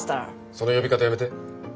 その呼び方やめて。